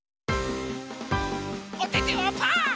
おててはパー。